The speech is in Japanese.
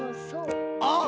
あっ！